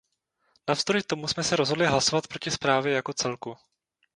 Navzdory tomu jsme se rozhodli hlasovat proti zprávě jako celku.